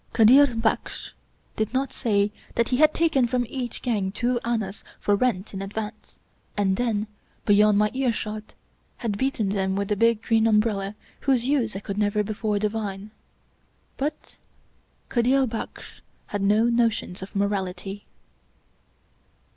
Kadir Baksh did not say that he had taken from each gang two annas for rent in advance, and then, beyond my earshot, had beaten them with the big green umbrella whose use I could never before divine. But Kadir Baksh has no notions of morality.